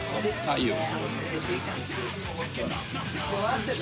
いいよ。